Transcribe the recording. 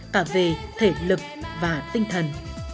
cả về thể lực và tinh thần